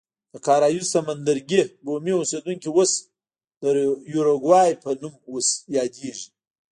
د کارایوس سمندرګي بومي اوسېدونکي اوس د یوروګوای په نوم یادېږي.